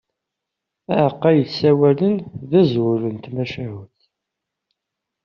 Aεeqqa yessawalen, d azwel n tmacahut.